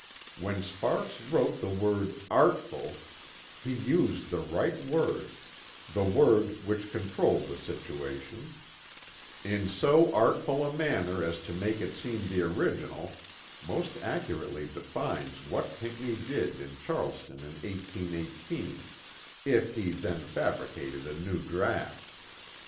When Sparks wrote the word "artful" he used the right word, the word which controlled the situation "in so artful a manner as to make it seem the original" most accurately defines what Pinckney did in Charleston in 1818 if he then fabricated a new draught.